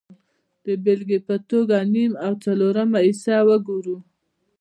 د بېلګې په توګه نیم او څلورمه حصه وګورئ